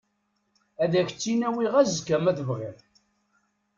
Ad ak-tt-in-awiɣ azekka ma tebɣiḍ.